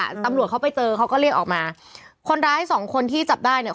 ตำรวจเขาไปเจอเขาก็เรียกออกมาคนร้ายสองคนที่จับได้เนี่ย